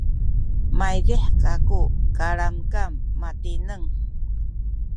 maydih kaku kalamkam matineng